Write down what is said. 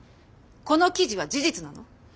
この記事は事実なの？